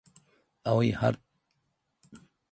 青い春